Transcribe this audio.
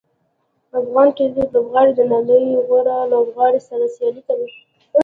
افغان کرکټ لوبغاړي د نړۍ له غوره لوبغاړو سره سیالي کوي.